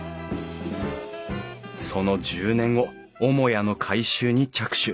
その１０年後主屋の改修に着手。